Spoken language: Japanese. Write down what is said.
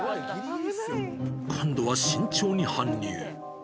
今度は慎重に搬入。